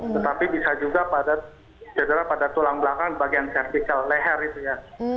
tetapi bisa juga pada cedera pada tulang belakang bagian vertikal leher itu ya